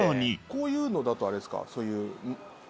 こういうのだとあれですか？